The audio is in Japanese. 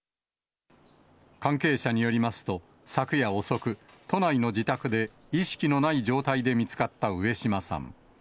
関係者によりますと、昨夜遅く、都内の自宅で意識のない状態で見つかった上島さん。